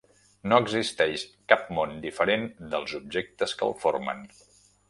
No existeix cap món diferent dels objectes que el formen.